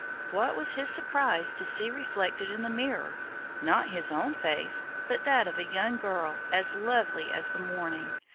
What was his surprise to see reflected in the mirror, not his own face, but that of a young girl as lovely as the morning!